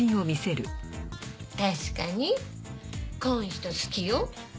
確かにこん人好きよ。